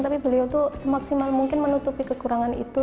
tapi beliau tuh semaksimal mungkin menutupi kekurangan itu